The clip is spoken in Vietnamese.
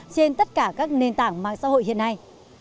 trên tất cả các nền tảng mạng xã hội hiện nay